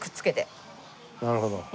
なるほど。